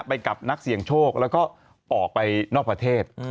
ไปกับนักเสี่ยงโชคแล้วก็ออกไปนอกประเทศ